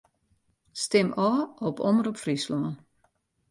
Stim ôf op Omrop Fryslân.